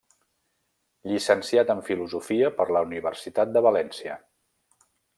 Llicenciat en Filosofia per la Universitat de València.